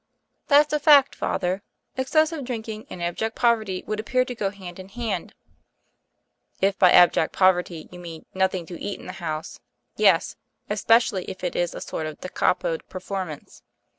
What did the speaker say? * 'That's a fact, Father; excessive drink and abject poverty would appear to go hand in« hand !'' "If by abject poverty you mean 'nothing to eat in the house' — ^yes; especially if it is a sort of da capo performance.